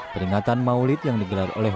peringatan maulid yang digelar oleh